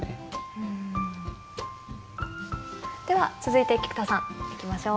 では続いて菊田さんいきましょう。